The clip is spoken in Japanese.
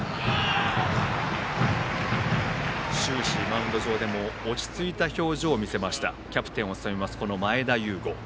終始マウンド上でも落ち着いた表情を見せたキャプテンを務める前田悠伍。